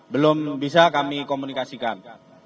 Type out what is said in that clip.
belum bisa kami komunikasikan